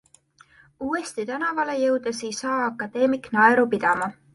Uuesti tänavale jõudes ei saa akadeemik naeru pidama.